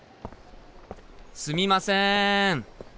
すみません。